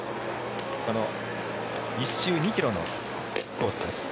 この１周２ｋｍのコースです。